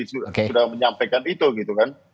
sudah menyampaikan itu gitu kan